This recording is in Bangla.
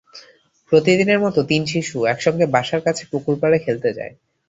প্রতিদিনের মতো তিন শিশু একসঙ্গে বাসার কাছে পুকুর পাড়ে খেলতে যায়।